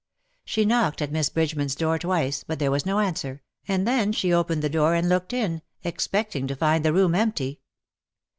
She knocked at Miss Bridgeman's door twice, but there was no answer, and then she opened the door and looked in, expecting to find the room empty.